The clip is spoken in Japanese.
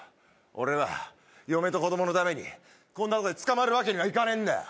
俺は嫁と子供のためにこんなとこで捕まるわけにはいかねえんだよ